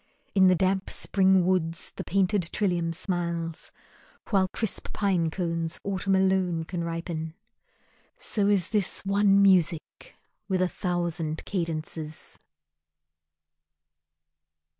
In the damp Spring woods The painted trillium smiles, while crisp pine cones Autumn alone can ripen. So is this One music with a thousand cadences.